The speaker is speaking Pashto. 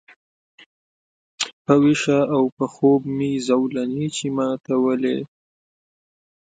په ویښه او په خوب مي زولنې چي ماتولې